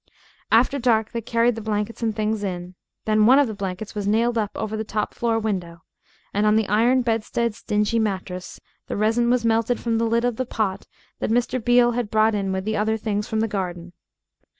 After dark they carried the blankets and things in. Then one of the blankets was nailed up over the top floor window, and on the iron bedstead's dingy mattress the resin was melted from the lid of the pot that Mr. Beale had brought in with the other things from the garden.